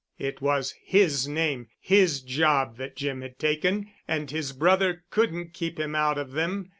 It was his name, his job that Jim had taken, and his brother couldn't keep him out of them.